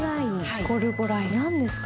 何ですか？